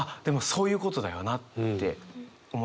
そういうことだよなって思いましたね。